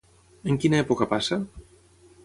En quina època passa?